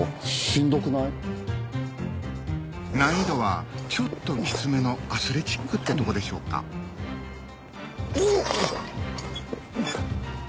難易度はちょっとキツめのアスレチックってとこでしょうかよっこいしょ！